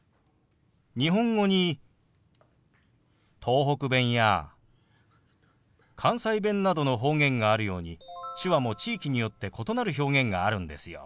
日本語に東北弁や関西弁などの方言があるように手話も地域によって異なる表現があるんですよ。